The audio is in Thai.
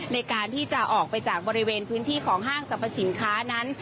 ในการที่จะออกไปจากบริเวณพื้นที่ของห้างสรรพสินค้านั้น